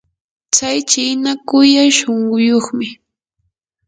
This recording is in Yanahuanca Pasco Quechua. tsay chiina kuyay shunquyuqmi.